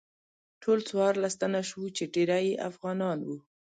ټول څوارلس تنه شوو چې ډیری یې افغانان وو.